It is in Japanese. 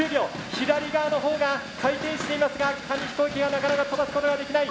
左側のほうが回転していますが紙飛行機はなかなか飛ばすことができない。